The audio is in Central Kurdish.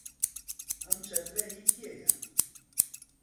ئەم چەترە هی کێیە؟